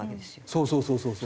そうそうそうそうそう。